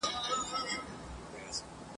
جهاني..